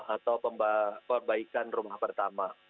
atau perbaikan rumah pertama